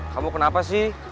kamu kenapa sih